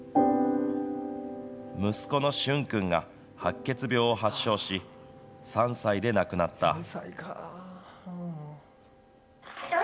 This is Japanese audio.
息子の駿くんが、白血病を発症し、３歳で亡くなった。